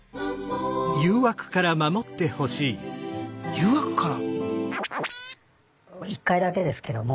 誘惑から？